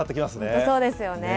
本当そうですよね。